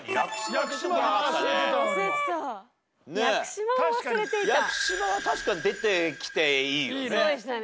屋久島は確か出てきていいよね。